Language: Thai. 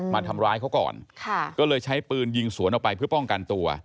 มาทำร้ายเขาก่อนก็เลยใช้ปืนยิงสวนออกไปเพื่อป้องกันตัว